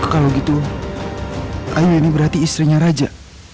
kalau gitu ayo ini berarti istrinya raja